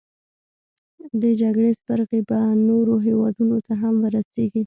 دې جګړې سپرغۍ به نورو هیوادونو ته هم ورسیږي.